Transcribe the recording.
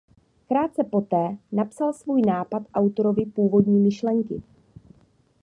Krátce poté napsal svůj nápad autorovi původní myšlenky.